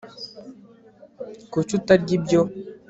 kuki utarya ibyo